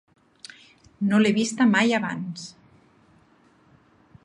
No l'he vista mai abans.